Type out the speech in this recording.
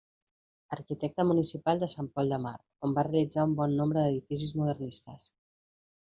Arquitecte municipal de Sant Pol de Mar, on va realitzar un bon nombre d'edificis modernistes.